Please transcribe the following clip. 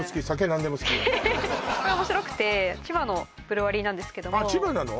何でも好きこれ面白くて千葉のブルワリーなんですけどもあっ千葉なの？